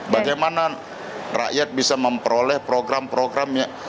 bagaimana rakyat bisa memperoleh program programnya